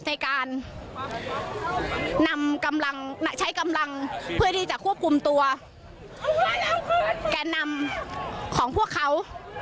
ในการใช้กำลังเพื่อที่จะควบคุมตัวแกนำของพวกเขา